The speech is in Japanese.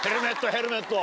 ヘルメット！